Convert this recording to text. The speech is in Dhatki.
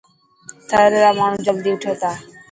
ٿر را ماڻهو جلدي اوٺي ٿا.